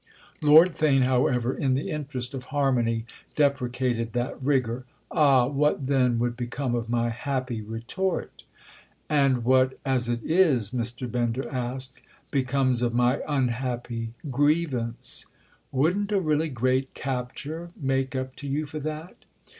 Lord Theign, however, in the interest of harmony, deprecated that rigour. "Ah, what then would become of my happy retort?" "And what—as it is," Mr. Bender asked—"becomes of my unhappy grievance?" "Wouldn't a really great capture make up to you for that?"